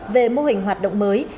về mô hình hoạt động mới